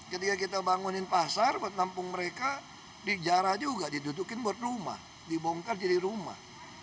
ketika kita bangunin pasar buat nampung mereka dijarah juga didudukin buat rumah dibongkar jadi rumah